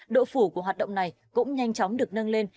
độ phủ của hoạt động này cũng nhanh chóng được nâng lên